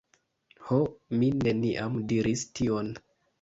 Ho, mi neniam diris tion.